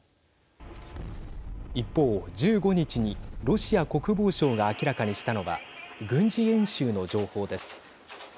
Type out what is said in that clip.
一方、１５日にロシア国防省が明らかにしたのは軍事演習の情報です。